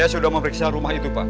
sudah memeriksa rumah itu pak